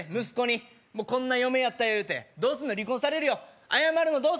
息子にもうこんな嫁やったいうてどうすんの離婚されるよ謝るの？